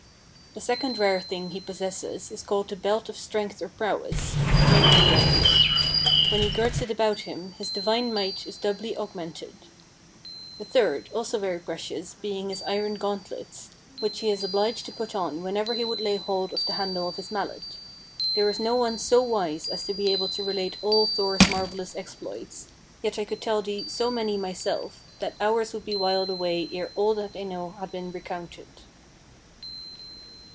The second rare thing he possesses is called the belt of strength or prowess (Megingjardir). When he girds it about him his divine might is doubly augmented; the third, also very precious, being his iron gauntlets, which he is obliged to put on whenever he would lay hold of the handle of his mallet. There is no one so wise as to be able to relate all Thor's marvellous exploits, yet I could tell thee so many myself that hours would be whiled away ere all that I know had been recounted."